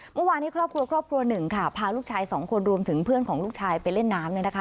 เมื่อวานนี้ครอบครัวครอบครัวหนึ่งค่ะพาลูกชายสองคนรวมถึงเพื่อนของลูกชายไปเล่นน้ำเนี่ยนะคะ